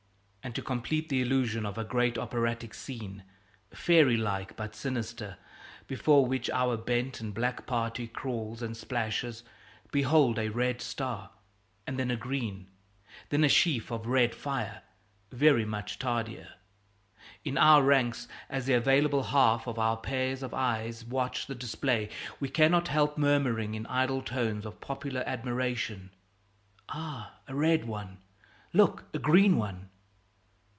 And to complete the illusion of a great operatic scene, fairy like but sinister, before which our bent and black party crawls and splashes, behold a red star, and then a green; then a sheaf of red fire, very much tardier. In our ranks, as the available half of our pairs of eyes watch the display, we cannot help murmuring in idle tones of popular admiration, "Ah, a red one!" "Look, a green one!"